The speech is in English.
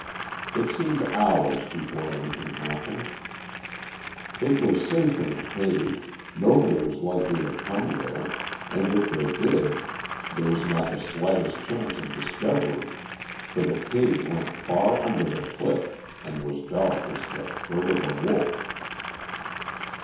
It seemed hours before anything happened. It was safe in the cave. Nobody was likely to come there, and if they did there was not the slightest chance of discovery, for the cave went far under the cliff and was dark as the throat of a wolf.